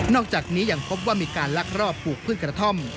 อกจากนี้ยังพบว่ามีการลักลอบปลูกพืชกระท่อม